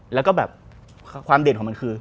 แล้วก็แบบความเด่นของมันคือ